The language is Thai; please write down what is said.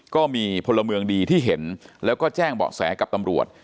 ก็มีพลเมืองดีที่เห็นแล้วก็แจ้งเบาะแสกับตำรวจ